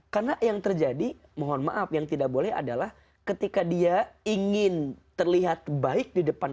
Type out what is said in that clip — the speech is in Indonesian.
karena yang terjadi mohon maaf yang tidak boleh adalah ketika dia ingin terlihat baik di depan